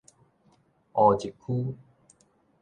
烏日區